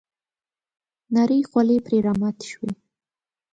نرۍ خولې پر راماتې شوې .